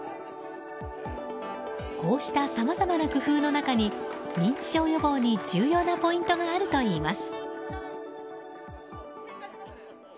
こうしたさまざまな工夫の中に認知症予防に重要なポイントがあるといいます。